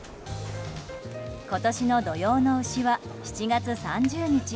今年の土用の丑は７月３０日。